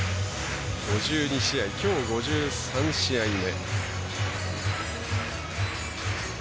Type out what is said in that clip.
５２試合、きょう５３試合目。